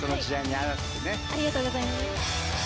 ありがとうございます。